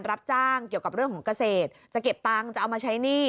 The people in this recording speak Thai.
รับจ้างเกี่ยวกับเรื่องของเกษตรจะเก็บตังค์จะเอามาใช้หนี้